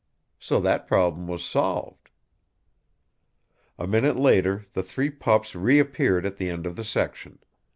So that problem was solved. A minute later, the three pups reappeared at the end of the section.